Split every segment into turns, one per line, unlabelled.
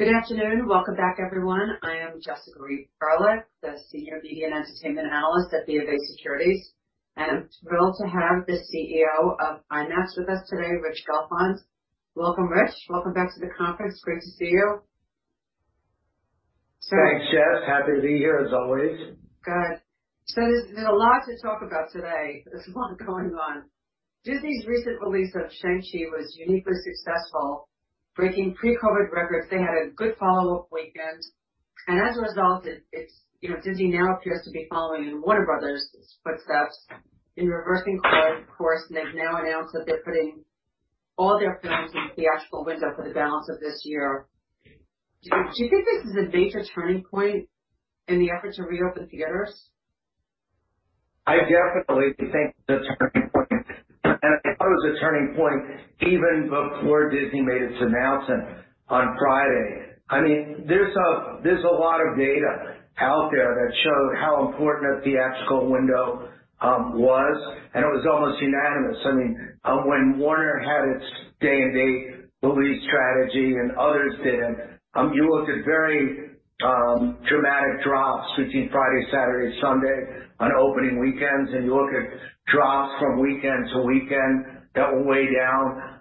Good afternoon. Welcome back, everyone. I am Jessica Reif Ehrlich, the Senior Media and Entertainment Analyst at BofA Securities, and I'm thrilled to have the CEO of IMAX with us today, Rich Gelfond. Welcome, Rich. Welcome back to the conference. Great to see you.
Thanks, Jess. Happy to be here, as always.
Good. So there's a lot to talk about today. There's a lot going on. Disney's recent release of Shang-Chi was uniquely successful, breaking pre-COVID records. They had a good follow-up weekend. And as a result, Disney now appears to be following Warner Bros.' footsteps in reversing course, and they've now announced that they're putting all their films in the theatrical window for the balance of this year. Do you think this is a major turning point in the effort to reopen theaters?
I definitely think it's a turning point. And I thought it was a turning point even before Disney made its announcement on Friday. I mean, there's a lot of data out there that showed how important the theatrical window was, and it was almost unanimous. I mean, when Warner had its day-and-date release strategy and others didn't, you looked at very dramatic drops between Friday, Saturday, Sunday on opening weekends, and you look at drops from weekend to weekend that went way down.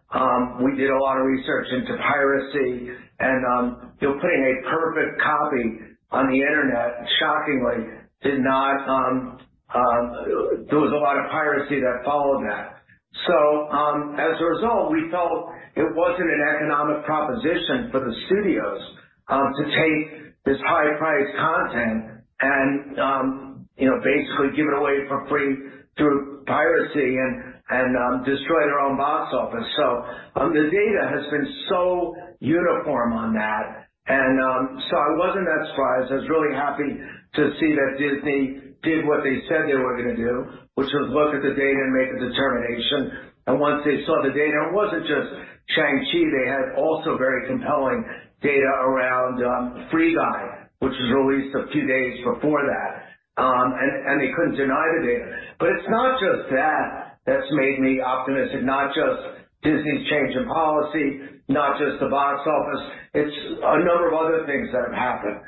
We did a lot of research into piracy, and putting a perfect copy on the internet, shockingly, did not. There was a lot of piracy that followed that. So as a result, we felt it wasn't an economic proposition for the studios to take this high-priced content and basically give it away for free through piracy and destroy their own box office. So the data has been so uniform on that. And so I wasn't that surprised. I was really happy to see that Disney did what they said they were going to do, which was look at the data and make a determination. And once they saw the data, and it wasn't just Shang-Chi, they had also very compelling data around Free Guy, which was released a few days before that, and they couldn't deny the data. But it's not just that that's made me optimistic, not just Disney's change in policy, not just the box office. It's a number of other things that have happened.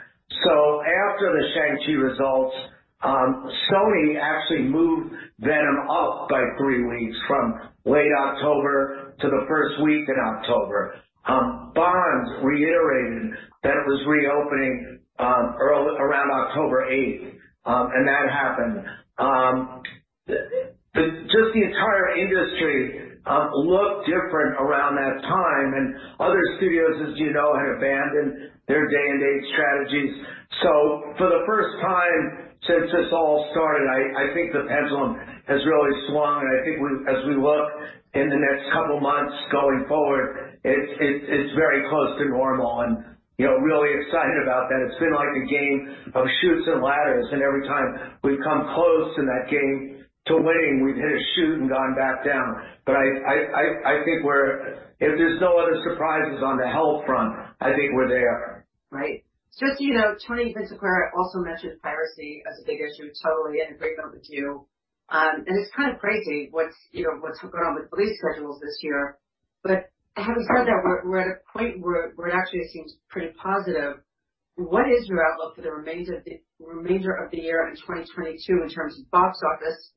So after the Shang-Chi results, Sony actually moved Venom up by three weeks from late October to the first week in October. Bond reiterated that it was reopening around October 8th, and that happened. Just, the entire industry looked different around that time, and other studios, as you know, had abandoned their day-and-date strategies. So for the first time since this all started, I think the pendulum has really swung, and I think as we look in the next couple of months going forward, it's very close to normal. And really excited about that. It's been like a game of Chutes and Ladders, and every time we've come close in that game to winning, we've hit a chute and gone back down. But I think we're, if there's no other surprises on the health front, I think we're there.
Right. Jessica, you know, Tony Vinciquerra also mentioned piracy as a big issue, totally in agreement with you. And it's kind of crazy what's going on with release schedules this year. But having said that, we're at a point where it actually seems pretty positive. What is your outlook for the remainder of the year in 2022 in terms of box office?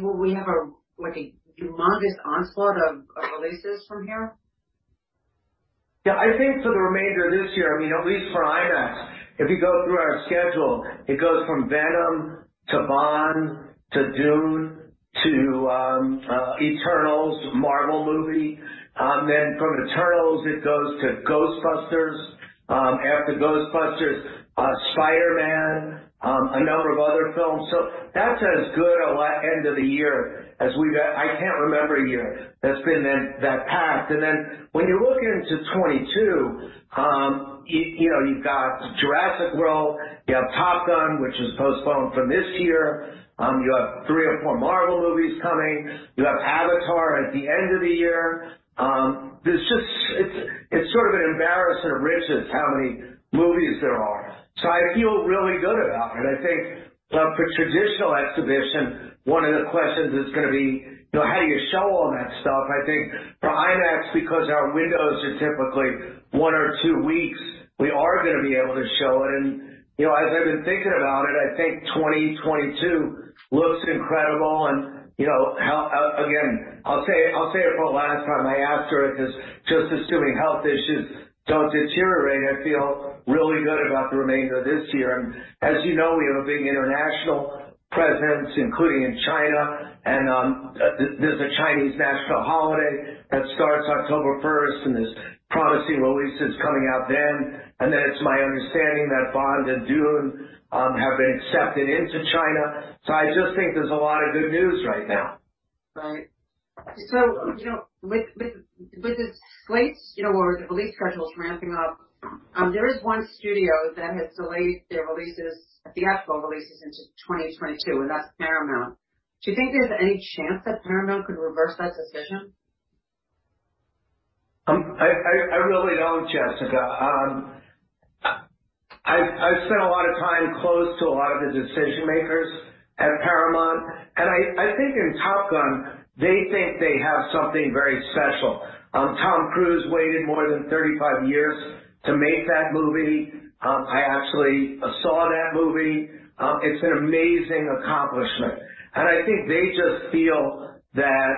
Will we have a humongous onslaught of releases from here?
Yeah, I think for the remainder of this year, I mean, at least for IMAX, if you go through our schedule, it goes from Venom to Bond to Dune to Eternals: Marvel movie. Then from Eternals, it goes to Ghostbusters. After Ghostbusters, Spider-Man, a number of other films. So that's as good an end of the year as we've had. I can't remember a year that's been that packed. And then when you look into 2022, you've got Jurassic World, you have Top Gun, which is postponed from this year. You have three or four Marvel movies coming. You have Avatar at the end of the year. It's sort of an embarrassment of riches how many movies there are. So I feel really good about it. I think for traditional exhibition, one of the questions is going to be, how do you show all that stuff? I think for IMAX, because our windows are typically one or two weeks, we are going to be able to show it. As I've been thinking about it, I think 2022 looks incredible. And again, I'll say it for the last time. Asterisk because, just assuming health issues don't deteriorate, I feel really good about the remainder of this year. As you know, we have a big international presence, including in China. There's a Chinese national holiday that starts October 1st, and there's promising releases coming out then. It's my understanding that Bond and Dune have been accepted into China. So I just think there's a lot of good news right now.
Right. So with this release schedule ramping up, there is one studio that has delayed their theatrical releases into 2022, and that's Paramount. Do you think there's any chance that Paramount could reverse that decision?
I really don't, Jessica. I've spent a lot of time close to a lot of the decision-makers at Paramount, and I think in Top Gun, they think they have something very special. Tom Cruise waited more than 35 years to make that movie. I actually saw that movie. It's an amazing accomplishment, and I think they just feel that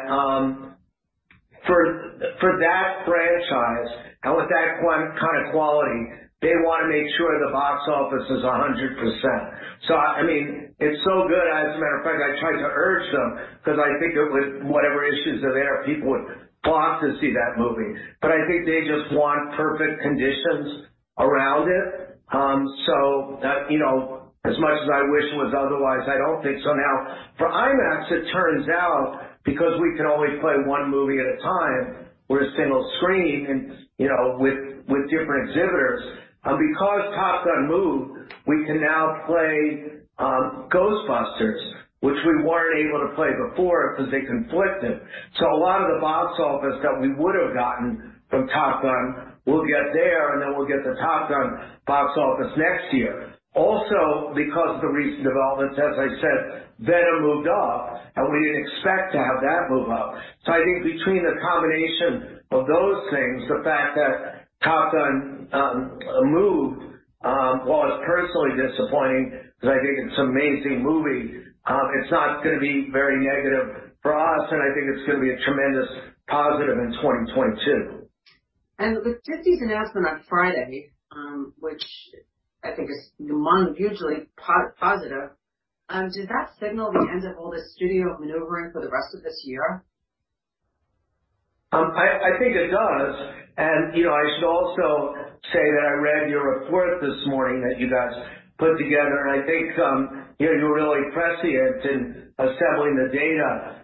for that franchise and with that kind of quality, they want to make sure the box office is 100%. So, I mean, it's so good. As a matter of fact, I tried to urge them because I think it would, whatever issues are there, people would flock to see that movie. But I think they just want perfect conditions around it, so as much as I wish it was otherwise, I don't think so. Now, for IMAX, it turns out because we can only play one movie at a time. We're a single screen with different exhibitors. And because Top Gun moved, we can now play Ghostbusters, which we weren't able to play before because they conflicted. So a lot of the box office that we would have gotten from Top Gun will get there, and then we'll get the Top Gun box office next year. Also, because of the recent developments, as I said, Venom moved up, and we didn't expect to have that move up. So I think between the combination of those things, the fact that Top Gun moved was personally disappointing because I think it's an amazing movie. It's not going to be very negative for us, and I think it's going to be a tremendous positive in 2022.
With Disney's announcement on Friday, which I think is hugely positive, does that signal the end of all the studio maneuvering for the rest of this year?
I think it does, and I should also say that I read your report this morning that you guys put together, and I think you're really prescient in assembling the data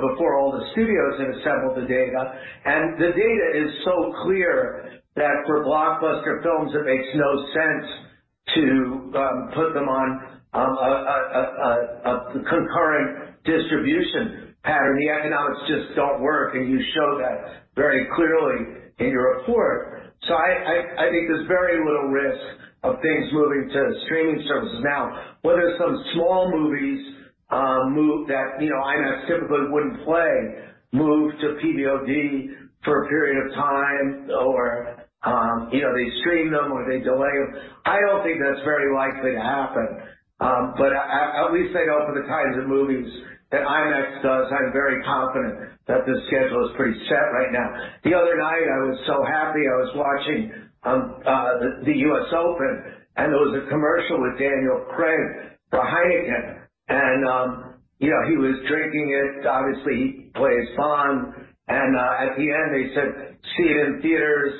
before all the studios had assembled the data, and the data is so clear that for blockbuster films, it makes no sense to put them on a concurrent distribution pattern. The economics just don't work, and you show that very clearly in your report, so I think there's very little risk of things moving to streaming services now, whether some small movies that IMAX typically wouldn't play move to PVOD for a period of time, or they stream them, or they delay them. I don't think that's very likely to happen, but at least I know for the kinds of movies that IMAX does, I'm very confident that the schedule is pretty set right now. The other night, I was so happy. I was watching the US Open, and there was a commercial with Daniel Craig for Heineken. And he was drinking it. Obviously, he plays Bond. And at the end, they said, "See it in theaters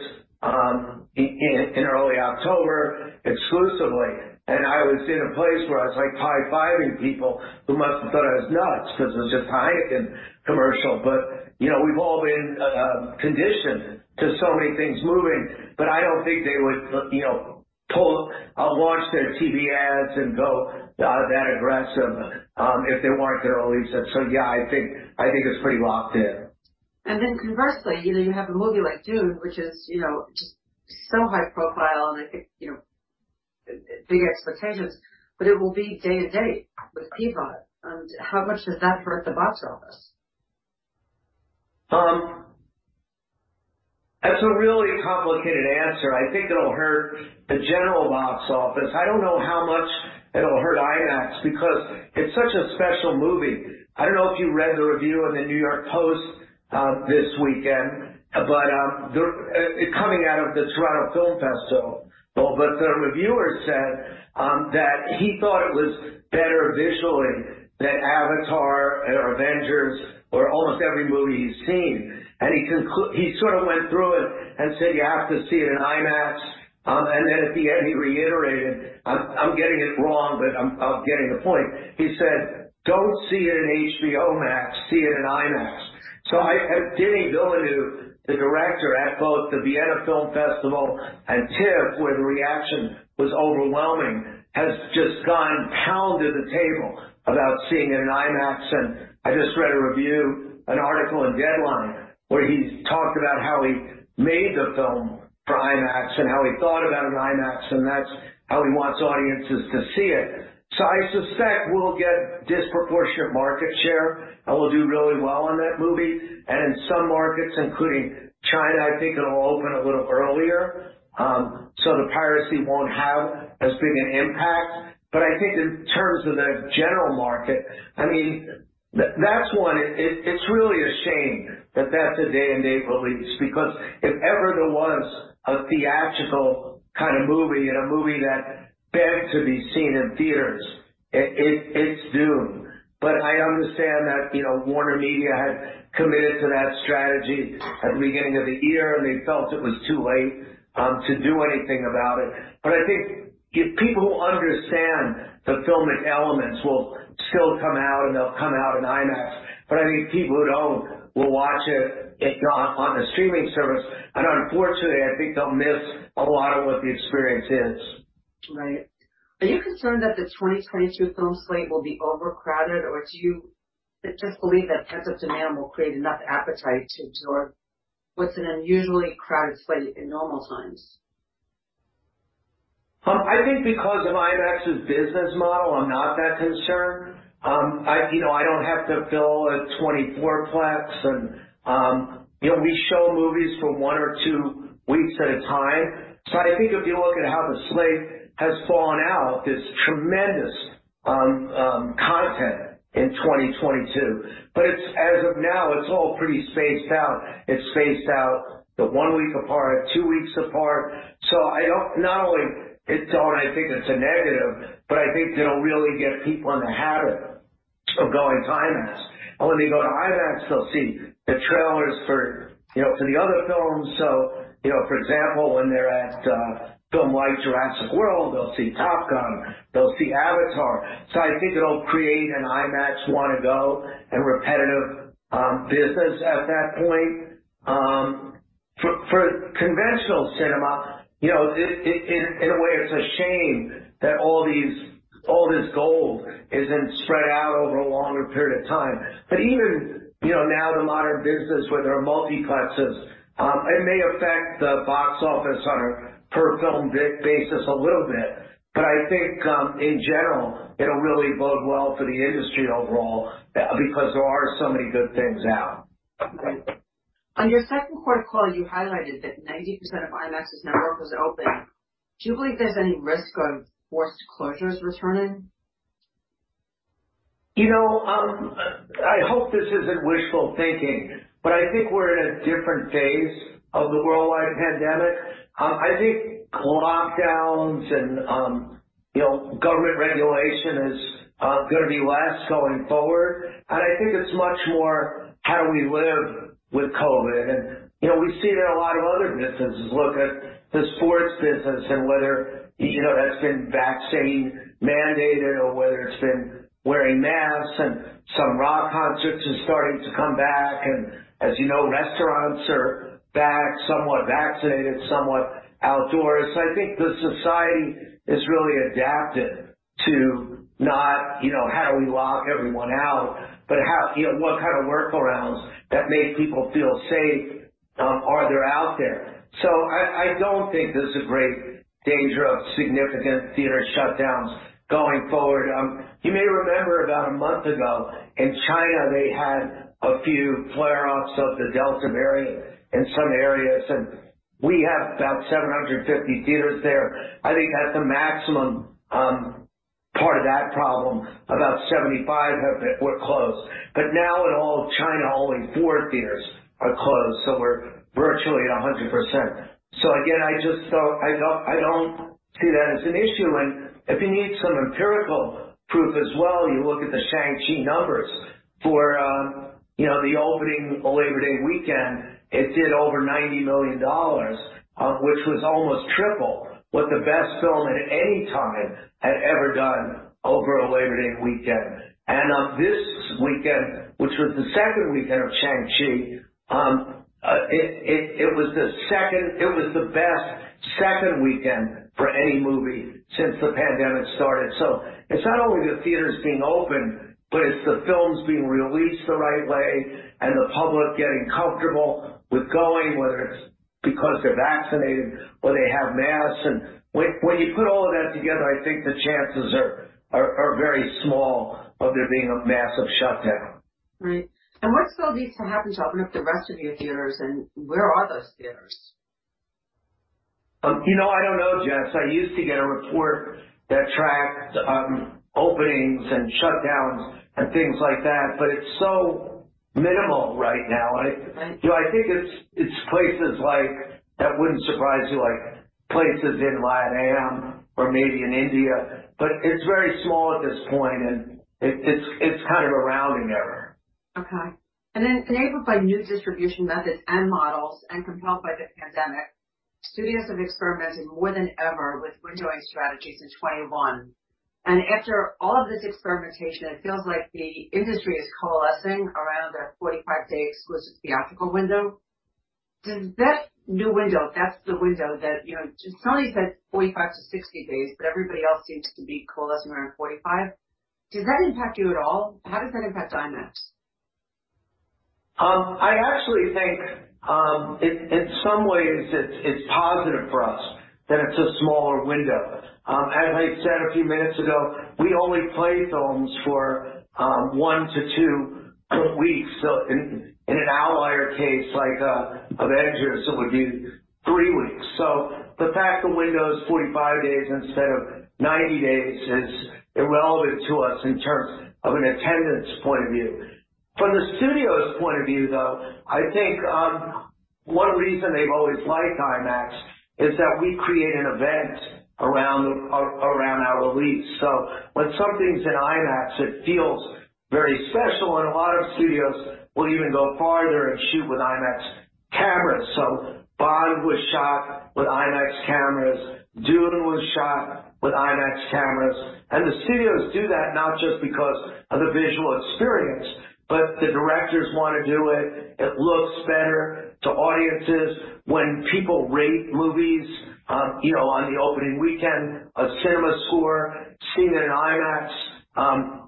in early October exclusively." And I was in a place where I was high-fiving people who must have thought I was nuts because it was just a Heineken commercial. But we've all been conditioned to so many things moving, but I don't think they would launch their TV ads and go that aggressive if they weren't going to release it. So yeah, I think it's pretty locked in.
And then conversely, you have a movie like Dune, which is just so high profile, and I think big expectations, but it will be day-and-date with PVOD. How much does that hurt the box office?
That's a really complicated answer. I think it'll hurt the general box office. I don't know how much it'll hurt IMAX because it's such a special movie. I don't know if you read the review in the New York Post this weekend, but it's coming out of the Toronto Film Festival. But the reviewer said that he thought it was better visually than Avatar or Avengers or almost every movie he's seen. And he sort of went through it and said, "You have to see it in IMAX." And then at the end, he reiterated, "I'm getting it wrong, but I'm getting the point." He said, "Don't see it in HBO Max. See it in IMAX." So Denis Villeneuve, the director at both the Venice Film Festival and TIFF, where the reaction was overwhelming, has just pounded the table about seeing it in IMAX. I just read a review, an article in Deadline, where he talked about how he made the film for IMAX and how he thought about an IMAX, and that's how he wants audiences to see it. I suspect we'll get disproportionate market share, and we'll do really well on that movie. In some markets, including China, I think it'll open a little earlier so the piracy won't have as big an impact. I think in terms of the general market, I mean, that's one. It's really a shame that that's a day-and-date release because if ever there was a theatrical kind of movie and a movie that begged to be seen in theaters, it's Dune. I understand that WarnerMedia had committed to that strategy at the beginning of the year, and they felt it was too late to do anything about it. But I think people who understand the filmic elements will still come out, and they'll come out in IMAX. But I think people who don't will watch it on the streaming service. And unfortunately, I think they'll miss a lot of what the experience is.
Right. Are you concerned that the 2022 film slate will be overcrowded, or do you just believe that pent-up demand will create enough appetite to absorb what's an unusually crowded slate in normal times?
I think because of IMAX's business model, I'm not that concerned. I don't have to fill a 24-plex, and we show movies for one or two weeks at a time. So I think if you look at how the slate has fallen out, there's tremendous content in 2022. But as of now, it's all pretty spaced out. It's spaced out one week apart, two weeks apart. So not only don't I think it's a negative, but I think it'll really get people in the habit of going to IMAX. And when they go to IMAX, they'll see the trailers for the other films. So for example, when they're at film like Jurassic World, they'll see Top Gun. They'll see Avatar. So I think it'll create an IMAX want-to-go and repetitive business at that point. For conventional cinema, in a way, it's a shame that all this gold isn't spread out over a longer period of time. But even now, the modern business, where there are multiplexes, it may affect the box office on a per-film basis a little bit. But I think in general, it'll really bode well for the industry overall because there are so many good things out.
On your second quarter call, you highlighted that 90% of IMAX's network was open. Do you believe there's any risk of forced closures returning?
You know, I hope this isn't wishful thinking, but I think we're in a different phase of the worldwide pandemic. I think lockdowns and government regulation is going to be less going forward. And I think it's much more, how do we live with COVID? And we see that a lot of other businesses look at the sports business and whether that's been vaccine-mandated or whether it's been wearing masks. And some rock concerts are starting to come back. And as you know, restaurants are back, somewhat vaccinated, somewhat outdoors. So I think the society is really adapted to not, how do we lock everyone out, but what kind of workarounds that make people feel safe are there out there. So I don't think there's a great danger of significant theater shutdowns going forward. You may remember about a month ago in China, they had a few flare-ups of the Delta variant in some areas, and we have about 750 theaters there. I think at the maximum part of that problem, about 75 were closed, but now in all of China, only four theaters are closed, so we're virtually at 100%, so again, I just don't see that as an issue, and if you need some empirical proof as well, you look at the Shang-Chi numbers for the opening Labor Day weekend. It did over $90 million, which was almost triple what the best film at any time had ever done over a Labor Day weekend, and this weekend, which was the second weekend of Shang-Chi, it was the best second weekend for any movie since the pandemic started. So it's not only the theaters being open, but it's the films being released the right way and the public getting comfortable with going, whether it's because they're vaccinated or they have masks. And when you put all of that together, I think the chances are very small of there being a massive shutdown.
Right. And what still needs to happen to open up the rest of your theaters, and where are those theaters?
You know, I don't know, Jess. I used to get a report that tracked openings and shutdowns and things like that, but it's so minimal right now. I think it's places like that wouldn't surprise you, like places in LatAm or maybe in India, but it's very small at this point, and it's kind of a rounding error.
Okay, and then enabled by new distribution methods and models and compelled by the pandemic, studios have experimented more than ever with windowing strategies in 2021. After all of this experimentation, it feels like the industry is coalescing around a 45-day exclusive theatrical window. Does that new window (that's the window that Sony said 45-60 days, but everybody else seems to be coalescing around 45) impact you at all? How does that impact IMAX?
I actually think in some ways, it's positive for us that it's a smaller window. As I said a few minutes ago, we only play films for one to two weeks, so in an outlier case like Avengers, it would be three weeks, so the fact the window is 45 days instead of 90 days is irrelevant to us in terms of an attendance point of view. From the studio's point of view, though, I think one reason they've always liked IMAX is that we create an event around our release, so when something's in IMAX, it feels very special, and a lot of studios will even go farther and shoot with IMAX cameras, so Bond was shot with IMAX cameras. Dune was shot with IMAX cameras, and the studios do that not just because of the visual experience, but the directors want to do it. It looks better to audiences. When people rate movies on the opening weekend, a CinemaScore seen in IMAX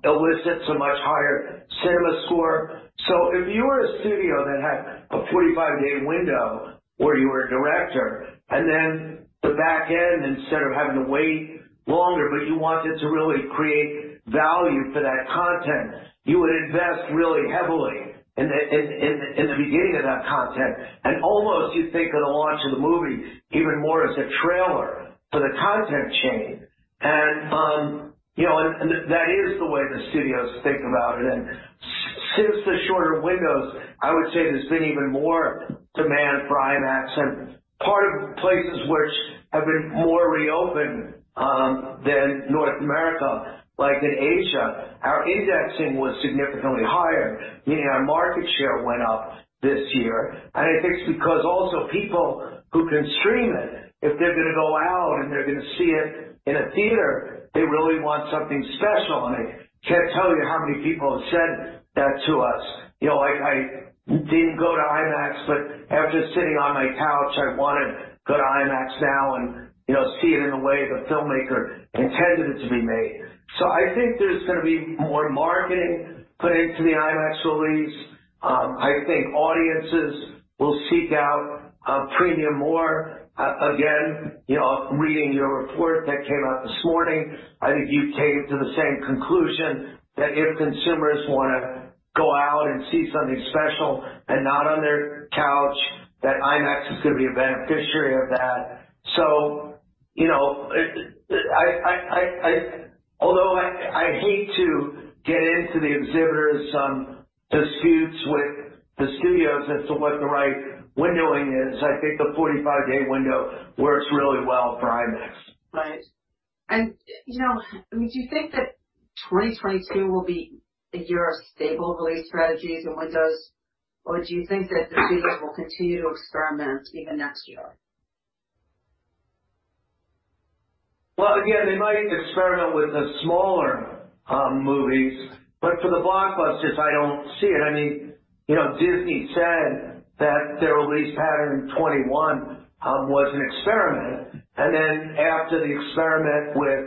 elicits a much higher CinemaScore. So if you were a studio that had a 45-day window where you were a director, and then the back end, instead of having to wait longer, but you wanted to really create value for that content, you would invest really heavily in the beginning of that content. And almost you think of the launch of the movie even more as a trailer for the content chain. And that is the way the studios think about it. And since the shorter windows, I would say there's been even more demand for IMAX. And part of places which have been more reopened than North America, like in Asia, our indexing was significantly higher, meaning our market share went up this year. I think it's because also people who can stream it, if they're going to go out and they're going to see it in a theater, they really want something special. I can't tell you how many people have said that to us. I didn't go to IMAX, but after sitting on my couch, I want to go to IMAX now and see it in the way the filmmaker intended it to be made. I think there's going to be more marketing put into the IMAX release. I think audiences will seek out premium more. Again, reading your report that came out this morning, I think you came to the same conclusion that if consumers want to go out and see something special and not on their couch, that IMAX is going to be a beneficiary of that. So although I hate to get into the exhibitor's disputes with the studios as to what the right windowing is, I think the 45-day window works really well for IMAX.
Right. And do you think that 2022 will be a year of stable release strategies and windows, or do you think that the studios will continue to experiment even next year?
Again, they might experiment with the smaller movies, but for the blockbusters, I don't see it. I mean, Disney said that their release pattern in 2021 was an experiment. And then after the experiment with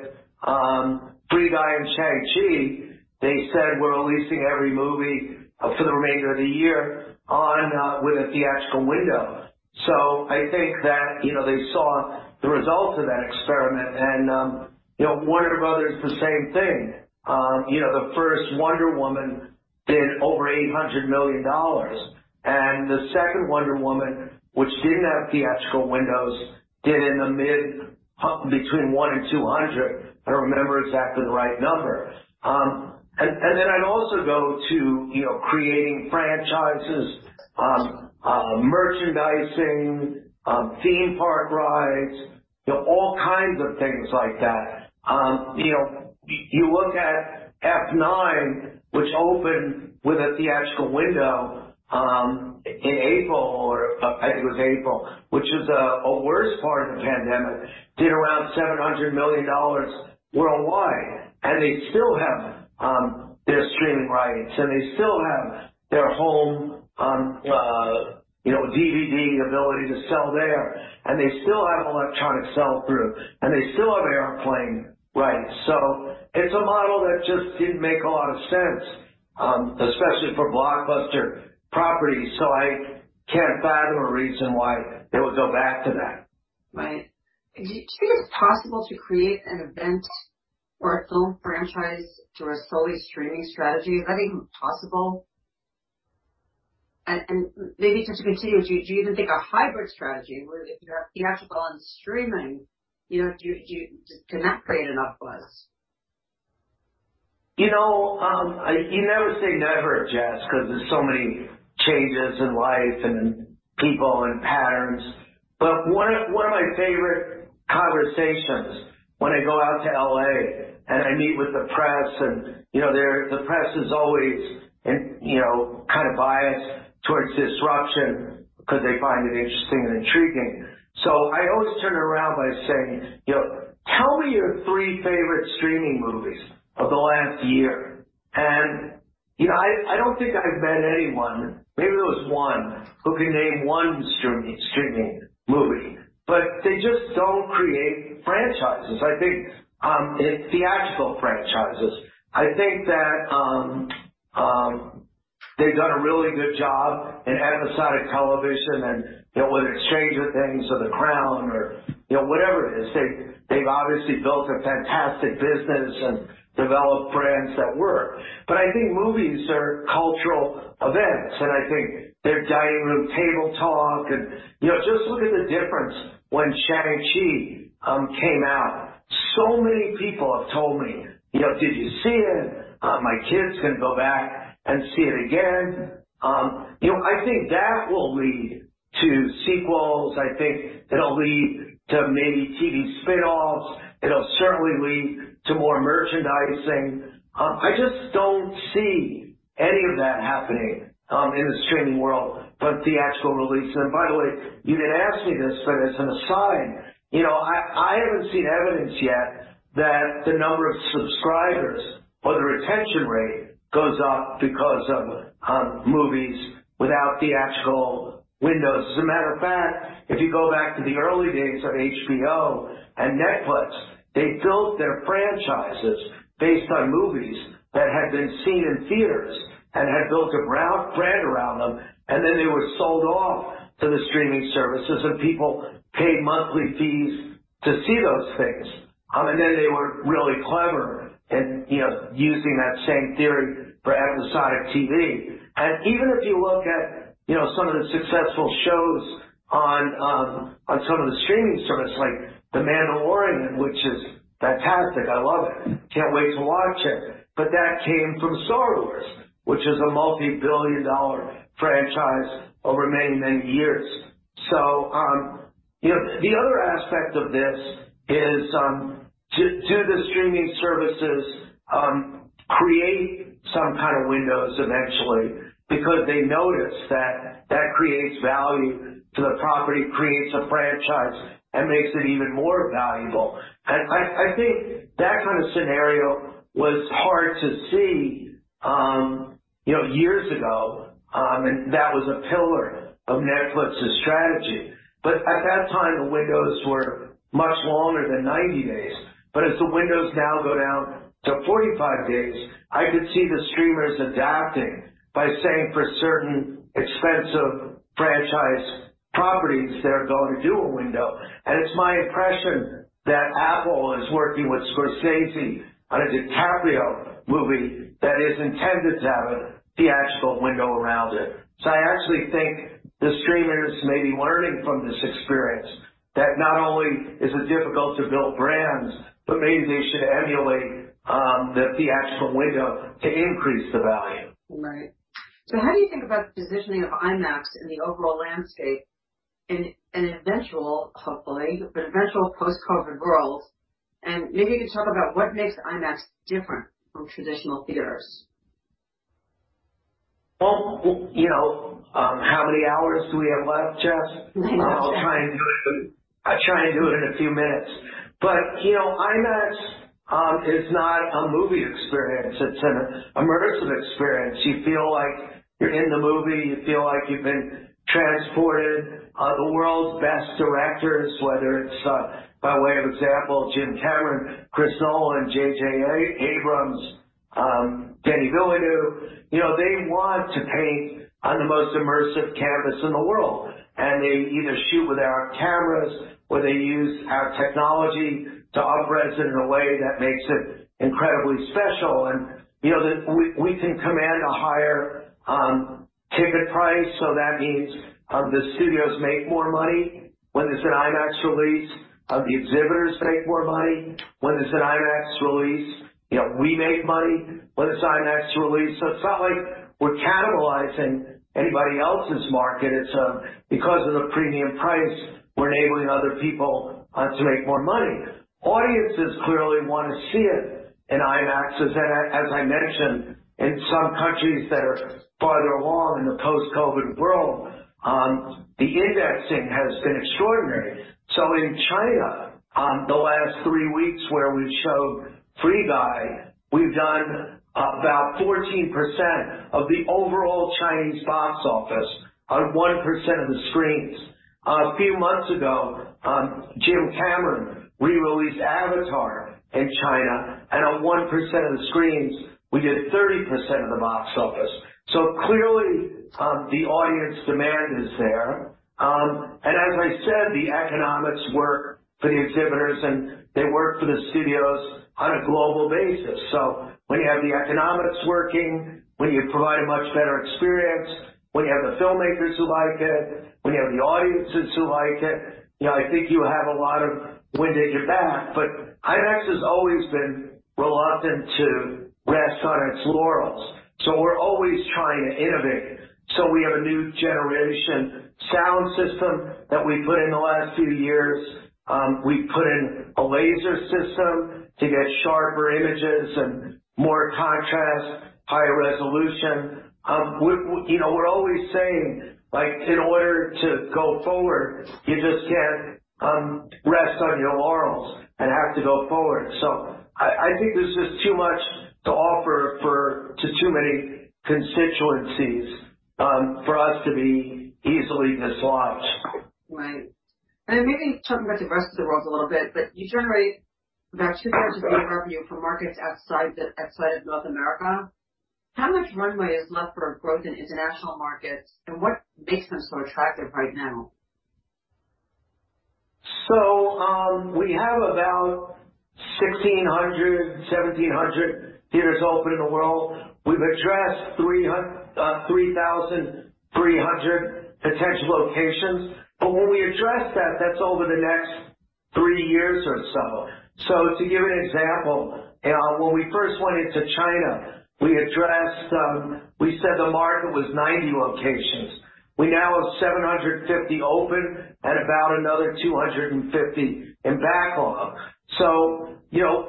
Free Guy and Shang-Chi, they said, "We're releasing every movie for the remainder of the year with a theatrical window." So I think that they saw the results of that experiment. And Warner Bros., the same thing. The first Wonder Woman did over $800 million. And the second Wonder Woman, which didn't have theatrical windows, did in the mid between $100 million and $200 million. I don't remember exactly the right number. And then I'd also go to creating franchises, merchandising, theme park rides, all kinds of things like that. You look at F9, which opened with a theatrical window in April, or I think it was April, which is a worse part of the pandemic, did around $700 million worldwide. And they still have their streaming rights. And they still have their home DVD ability to sell there. And they still have electronic sell-through. And they still have airplane rights. So it's a model that just didn't make a lot of sense, especially for blockbuster properties. So I can't fathom a reason why they would go back to that.
Right. Do you think it's possible to create an event or a film franchise through a solely streaming strategy? Is that even possible? And maybe to continue, do you even think a hybrid strategy, where if you have theatrical and streaming, can that create enough buzz?
You never say never, Jess, because there's so many changes in life and in people and patterns, but one of my favorite conversations when I go out to LA and I meet with the press, and the press is always kind of biased towards disruption because they find it interesting and intriguing, so I always turn around by saying, "Tell me your three favorite streaming movies of the last year," and I don't think I've met anyone, maybe there was one, who can name one streaming movie, but they just don't create franchises, I think, theatrical franchises. I think that they've done a really good job in episodic television and with Stranger Things or The Crown or whatever it is. They've obviously built a fantastic business and developed brands that work, but I think movies are cultural events. And I think their dining room table talk, and just look at the difference when Shang-Chi came out. So many people have told me, "Did you see it? My kids can go back and see it again." I think that will lead to sequels. I think it'll lead to maybe TV spinoffs. It'll certainly lead to more merchandising. I just don't see any of that happening in the streaming world for theatrical releases. And by the way, you didn't ask me this, but as an aside, I haven't seen evidence yet that the number of subscribers or the retention rate goes up because of movies without theatrical windows. As a matter of fact, if you go back to the early days of HBO and Netflix, they built their franchises based on movies that had been seen in theaters and had built a brand around them. And then they were sold off to the streaming services, and people paid monthly fees to see those things. And then they were really clever in using that same theory for episodic TV. And even if you look at some of the successful shows on some of the streaming services, like The Mandalorian, which is fantastic, I love it. Can't wait to watch it. But that came from Star Wars, which is a multi-billion-dollar franchise over many, many years. So the other aspect of this is do the streaming services create some kind of windows eventually? Because they noticed that that creates value for the property, creates a franchise, and makes it even more valuable. And I think that kind of scenario was hard to see years ago. And that was a pillar of Netflix's strategy. But at that time, the windows were much longer than 90 days. But as the windows now go down to 45 days, I could see the streamers adapting by saying for certain expensive franchise properties, they're going to do a window. And it's my impression that Apple is working with Scorsese on a DiCaprio movie that is intended to have a theatrical window around it. So I actually think the streamers may be learning from this experience that not only is it difficult to build brands, but maybe they should emulate the theatrical window to increase the value.
Right. So how do you think about the positioning of IMAX in the overall landscape in an eventual, hopefully, but eventual post-COVID world? And maybe you could talk about what makes IMAX different from traditional theaters?
How many hours do we have left, Jess?
Nine minutes.
I'll try and do it in a few minutes. But IMAX is not a movie experience. It's an immersive experience. You feel like you're in the movie. You feel like you've been transported. The world's best directors, whether it's by way of example, Jim Cameron, Chris Nolan, J.J. Abrams, Denis Villeneuve, they want to paint on the most immersive canvas in the world. And they either shoot with our cameras or they use our technology to operate it in a way that makes it incredibly special. And we can command a higher ticket price. So that means the studios make more money when there's an IMAX release. The exhibitors make more money when there's an IMAX release. We make money when it's IMAX release. So it's not like we're cannibalizing anybody else's market. It's because of the premium price, we're enabling other people to make more money. Audiences clearly want to see it in IMAX. As I mentioned, in some countries that are farther along in the post-COVID world, the indexing has been extraordinary, so in China, the last three weeks where we showed Free Guy, we've done about 14% of the overall Chinese box office on 1% of the screens. A few months ago, Jim Cameron re-released Avatar in China, and on 1% of the screens, we did 30% of the box office, so clearly, the audience demand is there, and as I said, the economics work for the exhibitors, and they work for the studios on a global basis, so when you have the economics working, when you provide a much better experience, when you have the filmmakers who like it, when you have the audiences who like it, I think you have a lot of wind at your back. But IMAX has always been reluctant to rest on its laurels. So we're always trying to innovate. So we have a new generation sound system that we put in the last few years. We put in a laser system to get sharper images and more contrast, higher resolution. We're always saying, in order to go forward, you just can't rest on your laurels and have to go forward. So I think there's just too much to offer to too many constituencies for us to be easily dislodged.
Right. And maybe talking about the rest of the world a little bit, but you generate about 2% of your revenue from markets outside of North America. How much runway is left for growth in international markets, and what makes them so attractive right now?
We have about 1,600, 1,700 theaters open in the world. We've addressed 3,300 potential locations. But when we address that, that's over the next three years or so. So to give an example, when we first went into China, we said the market was 90 locations. We now have 750 open and about another 250 in backlog. So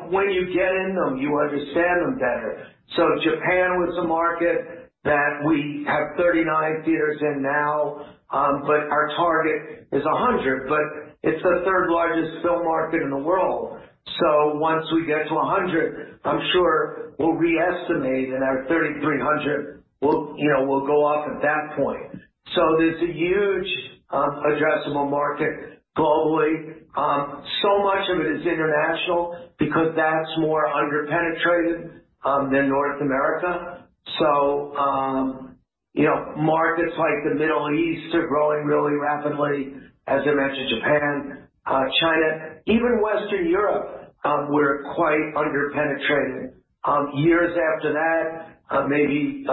when you get in them, you understand them better. So Japan was a market that we have 39 theaters in now, but our target is 100. But it's the third largest film market in the world. So once we get to 100, I'm sure we'll re-estimate and our 3,300 will go up at that point. So there's a huge addressable market globally. So much of it is international because that's more under-penetrated than North America. So markets like the Middle East are growing really rapidly, as I mentioned, Japan, China, even Western Europe, we're quite under-penetrated. Years after that, maybe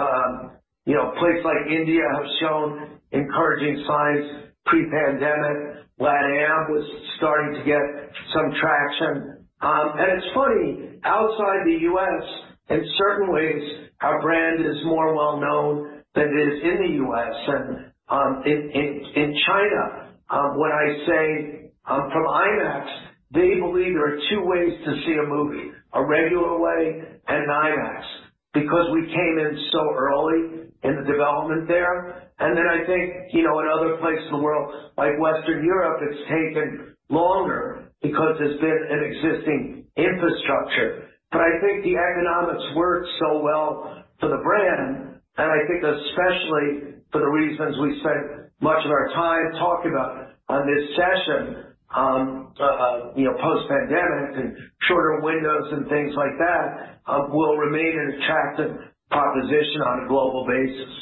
places like India have shown encouraging signs pre-pandemic. LatAm was starting to get some traction. And it's funny, outside the U.S., in certain ways, our brand is more well-known than it is in the U.S. and in China. When I say from IMAX, they believe there are two ways to see a movie, a regular way and an IMAX, because we came in so early in the development there. And then I think in other places in the world, like Western Europe, it's taken longer because there's been an existing infrastructure. But I think the economics work so well for the brand. I think especially for the reasons we spent much of our time talking about on this session, post-pandemic and shorter windows and things like that, will remain an attractive proposition on a global basis.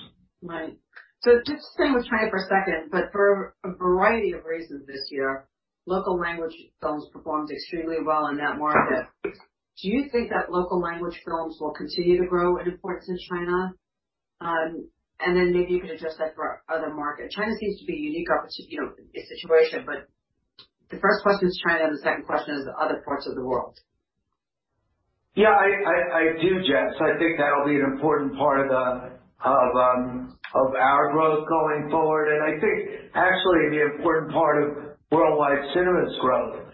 Right. So just staying with China for a second, but for a variety of reasons this year, local language films performed extremely well in that market. Do you think that local language films will continue to grow in importance in China? And then maybe you could address that for other markets. China seems to be a unique situation. But the first question is China, and the second question is other parts of the world.
Yeah, I do, Jess. I think that'll be an important part of our growth going forward. And I think actually it'd be an important part of worldwide cinema's growth.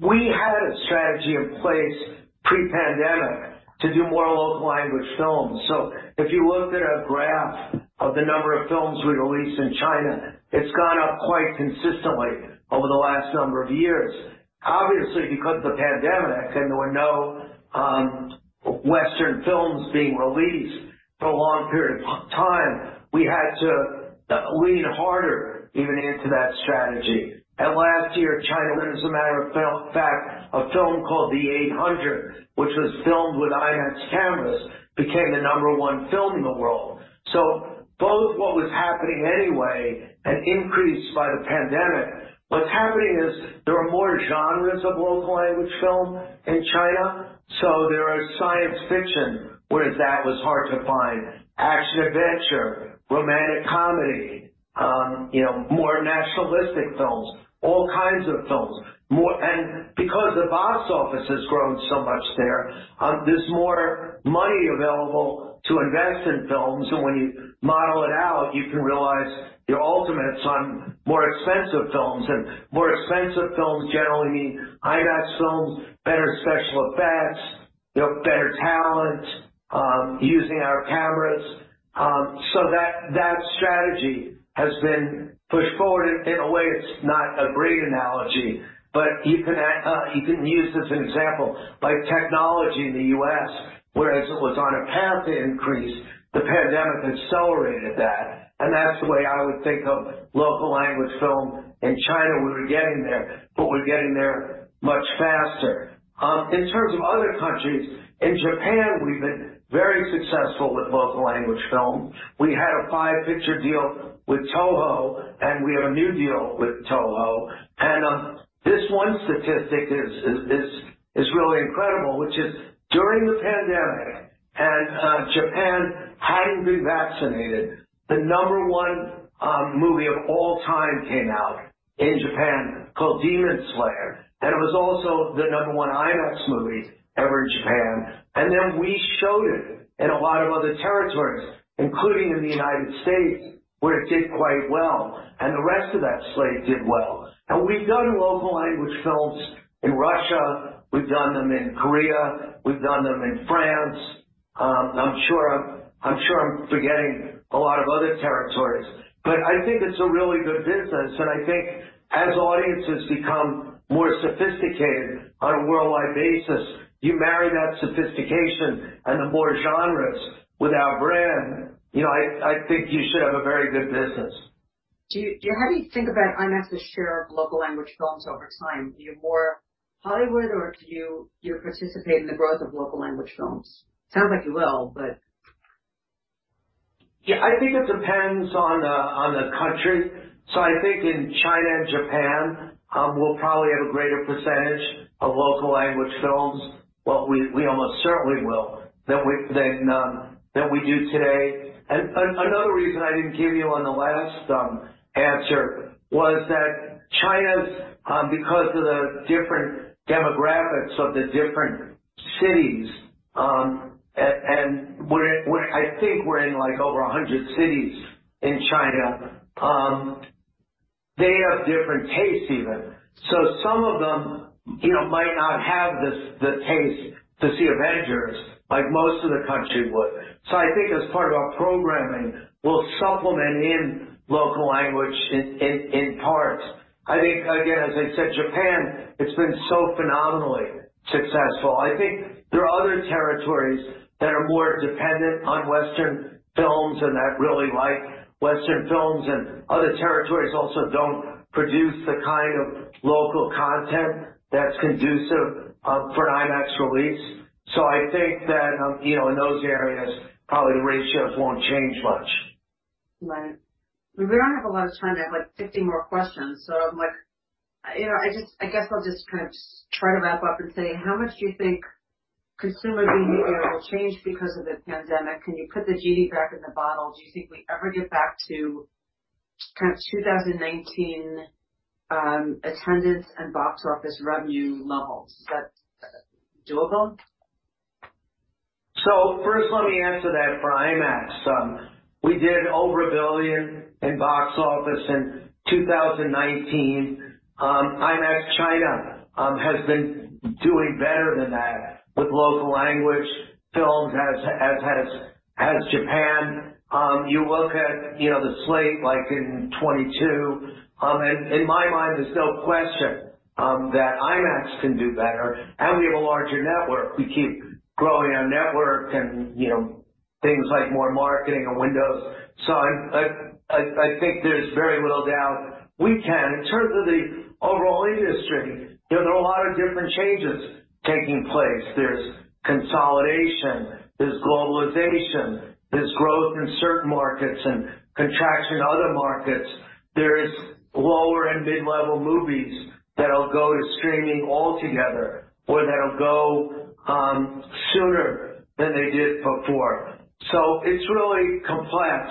We had a strategy in place pre-pandemic to do more local language films. So if you looked at our graph of the number of films we released in China, it's gone up quite consistently over the last number of years. Obviously, because of the pandemic and there were no Western films being released for a long period of time, we had to lean harder even into that strategy. And last year, China, it was a matter of fact, a film called The Eight Hundred, which was filmed with IMAX cameras, became the number one film in the world. So both what was happening anyway and increased by the pandemic, what's happening is there are more genres of local language film in China. So there are science fiction, whereas that was hard to find, action adventure, romantic comedy, more nationalistic films, all kinds of films. And because the box office has grown so much there, there's more money available to invest in films. And when you model it out, you can realize your ultimates on more expensive films. And more expensive films generally mean IMAX films, better special effects, better talent, using our cameras. So that strategy has been pushed forward. In a way, it's not a great analogy, but you can use this as an example. The adoption of technology in the U.S., whereas it was on a path to increase, the pandemic accelerated that. And that's the way I would think of local language film in China. We were getting there, but we're getting there much faster. In terms of other countries, in Japan, we've been very successful with local language film. We had a five-picture deal with Toho, and we have a new deal with Toho. And this one statistic is really incredible, which is during the pandemic and Japan hadn't been vaccinated, the number one movie of all time came out in Japan called Demon Slayer. And it was also the number one IMAX movie ever in Japan. And then we showed it in a lot of other territories, including in the United States, where it did quite well. And the rest of that slate did well. And we've done local language films in Russia. We've done them in Korea. We've done them in France. I'm sure I'm forgetting a lot of other territories. But I think it's a really good business. I think as audiences become more sophisticated on a worldwide basis, you marry that sophistication and the more genres with our brand. I think you should have a very good business.
How do you think about IMAX's share of local language films over time? Are you more Hollywood, or do you participate in the growth of local language films? Sounds like you will, but.
Yeah, I think it depends on the country. So I think in China and Japan, we'll probably have a greater percentage of local language films, but we almost certainly will than we do today. And another reason I didn't give you on the last answer was that China, because of the different demographics of the different cities, and I think we're in over 100 cities in China, they have different tastes even. So some of them might not have the taste to see Avengers like most of the country would. So I think as part of our programming, we'll supplement in local language in parts. I think, again, as I said, Japan, it's been so phenomenally successful. I think there are other territories that are more dependent on Western films and that really like Western films. And other territories also don't produce the kind of local content that's conducive for an IMAX release. So I think that in those areas, probably the ratios won't change much.
Right. We don't have a lot of time. I have like 50 more questions. So I guess I'll just kind of try to wrap up and say, how much do you think consumer behavior will change because of the pandemic? Can you put the genie back in the bottle? Do you think we ever get back to kind of 2019 attendance and box office revenue levels? Is that doable?
So first, let me answer that for IMAX. We did over $1 billion in box office in 2019. IMAX China has been doing better than that with local language films, as has Japan. You look at the slate like in 2022, and in my mind, there's no question that IMAX can do better. And we have a larger network. We keep growing our network and things like more marketing and windows. So I think there's very little doubt we can. In terms of the overall industry, there are a lot of different changes taking place. There's consolidation, there's globalization, there's growth in certain markets and contraction in other markets. There's lower and mid-level movies that'll go to streaming altogether or that'll go sooner than they did before. So it's really complex,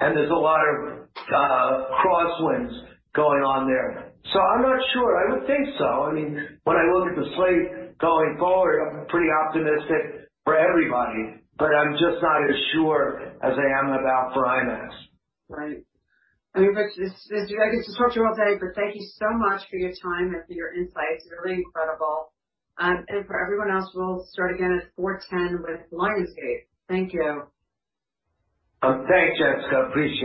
and there's a lot of crosswinds going on there. So I'm not sure. I would think so. I mean, when I look at the slate going forward, I'm pretty optimistic for everybody, but I'm just not as sure as I am about for IMAX.
Right. I guess we talked to you all today, but thank you so much for your time and for your insights. Really incredible. And for everyone else, we'll start again at 4:10 P.M. with Lionsgate. Thank you.
Thanks, Jessica. Appreciate it.